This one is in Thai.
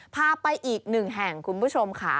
พาไปอีกหนึ่งแห่งคุณผู้ชมค่ะ